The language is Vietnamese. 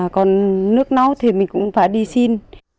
còn nước nấu thì mình cũng phải đi xin